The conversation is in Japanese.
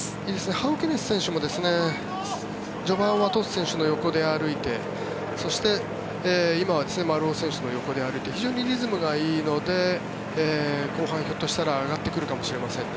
ハウケネス選手も序盤はトス選手の横で歩いてそして今は丸尾選手の横で歩いて非常にリズムがいいので後半、ひょっとしたら上がってくるかもしれませんね。